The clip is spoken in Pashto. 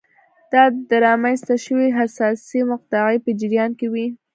دا د رامنځته شوې حساسې مقطعې په جریان کې وې.